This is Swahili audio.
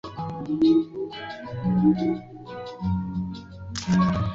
miti mikubwa ya kumi na tano yote